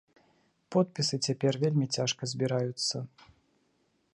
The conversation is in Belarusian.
Подпісы цяпер вельмі цяжка збіраюцца.